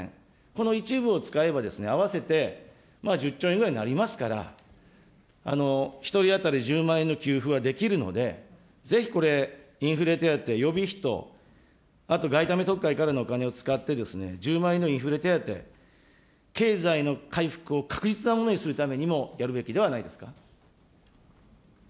この一部を使えば合わせて１０兆円ぐらいになりますから、１人当たり１０万円の給付はできるので、ぜひこれ、インフレ手当、予備費と、あと外為特会からのお金を使ってですね、１０万円のインフレ手当、経済の回復を確実なものにするためにも、やるべきではないですか。